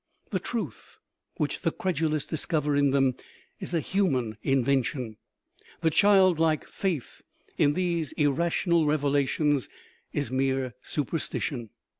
The " truth " which the credulous discover in them is a human invention ; the " childlike faith " in these irrational revelations is mere superstition.